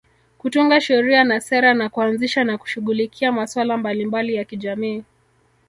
Kutunga sheria na sera na kuanzisha na kushughulikia masuala mbalimbali ya kijamii